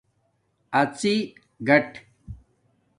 اڎݵ گاٹ